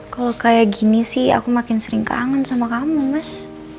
kalau kayak gini sih aku makin sering kangen sama kamu mas